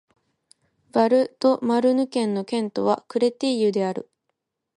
ヴァル＝ド＝マルヌ県の県都はクレテイユである